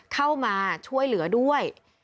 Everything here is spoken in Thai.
เข้ามาช่วยเหลือด้วย